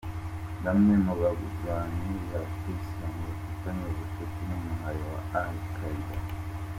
Bamwe mu bagwanyi ba kiislam bafitaniye ubucuti n'umuhari wa Al Qaeda.